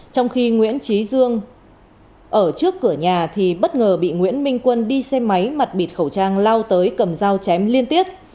trong khi nguyễn trí dương ở trước cửa nhà thì bất ngờ bị nguyễn minh quân đi xe máy mặt bịt khẩu trang lao tới cầm dao chém liên tiếp